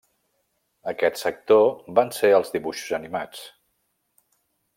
Aquest sector van ser els Dibuixos animats.